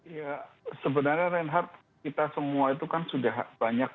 ya sebenarnya reinhardt kita semua itu kan sudah banyak